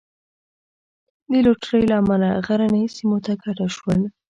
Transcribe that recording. د لوټرۍ له امله غرنیو سیمو ته کډه شول.